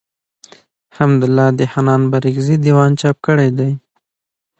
حمدالله د حنان بارکزي دېوان څاپ کړی دﺉ.